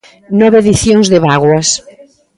Nove edicións de bágoas.